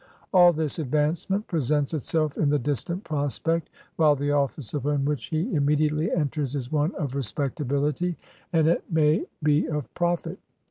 All this advancement presents itself in the distant prospect, while the office upon which he immediately enters is one of respectability, and it may 226 CIVIL SERVICE EXAMINATIONS IN CHINA be of profit.